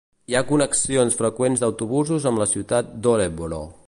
Hi ha connexions freqüents d'autobusos amb la ciutat d'Örebro.